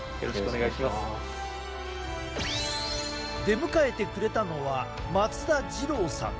出迎えてくれたのは松田二郎さん。